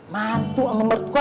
mantu sama mertua